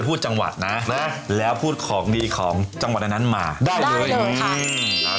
จังหวัดนะนะแล้วพูดของดีของจังหวัดอันนั้นมาได้เลยอืมอ่า